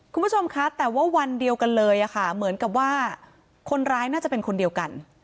คุณผู้ชมคะแต่ว่าวันเดียวกันเลยค่ะเหมือนกับว่าคนร้ายน่าจะเป็นคนเดียวกัน